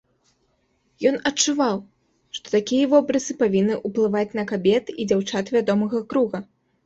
Ён адчуваў, што такія вобразы павінны ўплываць на кабет і дзяўчат вядомага круга.